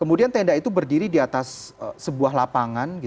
kemudian tenda itu berdiri di atas sebuah lapangan